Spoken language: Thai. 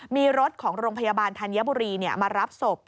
มีรถของโรงพยาบาลธัญบุรีมารับศพ